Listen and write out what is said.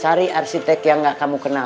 cari arsitek yang gak kamu kenal